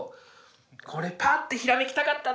これパッてひらめきたかったな。